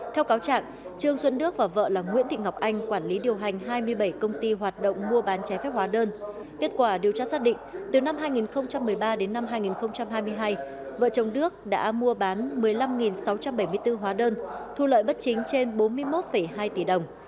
theo cáo trạng trương xuân đức và vợ là nguyễn thị ngọc anh quản lý điều hành hai mươi bảy công ty hoạt động mua bán trái phép hóa đơn kết quả điều tra xác định từ năm hai nghìn một mươi ba đến năm hai nghìn hai mươi hai vợ chồng đức đã mua bán một mươi năm sáu trăm bảy mươi bốn hóa đơn thu lợi bất chính trên bốn mươi một hai tỷ đồng